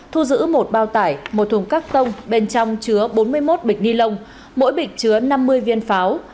thu giữ một bao tải một thùng các tông bên trong chứa bốn mươi một bịch ni lông mỗi bịch chứa năm mươi viên pháo